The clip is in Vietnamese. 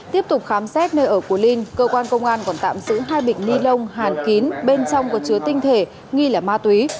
tiếp tục khám xét nơi ở của linh cơ quan công an còn tạm giữ hai bịch ni lông hàn kín bên trong có chứa tinh thể nghi là ma túy